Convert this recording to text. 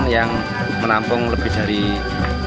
yang menampung lebih banyak